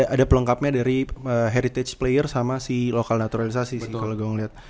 ada pelengkapnya dari heritage player sama si lokal naturalisasi sih kalau gue ngeliat